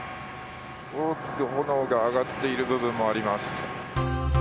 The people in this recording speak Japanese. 大きく炎が上がっている部分もあります。